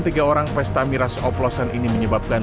tiga orang pesta miras oplosan ini menyebabkan